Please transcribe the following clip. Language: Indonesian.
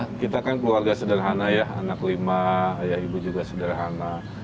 ya kita kan keluarga sederhana ya anak lima ayah ibu juga sederhana